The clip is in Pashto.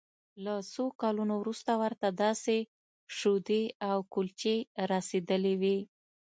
له څو کلونو وروسته ورته داسې شیدې او کلچې رسیدلې وې